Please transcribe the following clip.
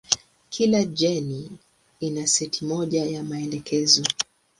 Kila jeni ina seti moja ya maelekezo.